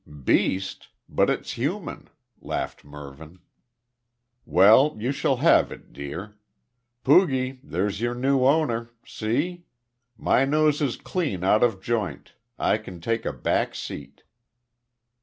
"`Beast'? But it's human," laughed Mervyn. "Well, you shall have it, dear. Poogie there's your new owner. See? My nose is clean out of joint. I can take a back seat."